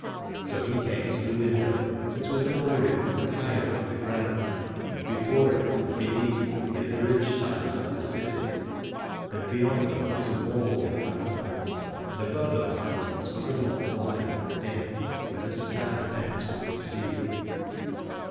So he came to the window, that was an oriel and high above ground : and before it and beneath lay the ridge tiles of the city, and beyond them was a wall with battlements, and above the battlements was a long line and dim, where the sky met with the sea.